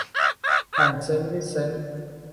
อ่าวเซนต์วินเซนต์